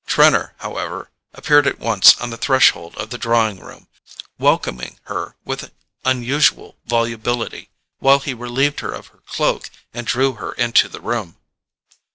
Trenor, however, appeared at once on the threshold of the drawing room, welcoming her with unusual volubility while he relieved her of her cloak and drew her into the room.